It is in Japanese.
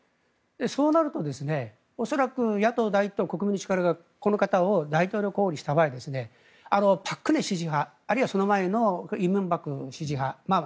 そうなると恐らく野党第１党の国民の力がこの方を大統領候補にした場合朴槿惠支持派あるいはその前の李明博支持派。